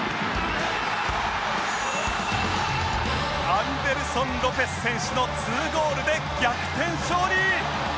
アンデルソン・ロペス選手の２ゴールで逆転勝利！